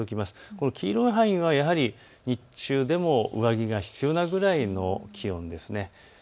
この黄色い範囲はやはり日中でも上着が必要なくらいの気温です。